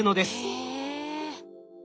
へえ。